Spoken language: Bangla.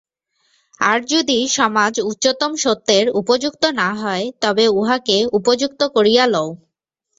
আর যদি সমাজ উচ্চতম সত্যের উপযুক্ত না হয়, তবে উহাকে উপযুক্ত করিয়া লও।